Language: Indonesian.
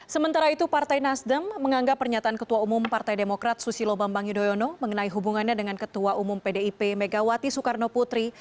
sementara itu partai nasdem menganggap pernyataan ketua umum partai demokrat susilo bambang yudhoyono mengenai hubungannya dengan ketua umum pdip megawati soekarno putri